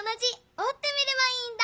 おってみればいいんだ！